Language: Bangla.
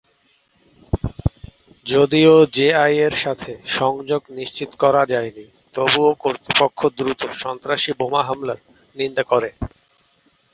যদিও জেআই-এর সাথে সংযোগ নিশ্চিত করা যায়নি, তবুও কর্তৃপক্ষ দ্রুত সন্ত্রাসী বোমা হামলার নিন্দা করে।